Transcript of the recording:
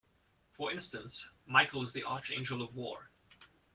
For instance, Michael is the Archangel of War.